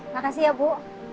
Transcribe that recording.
makasih ya bu